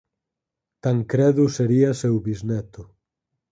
Tancredo sería seu bisneto.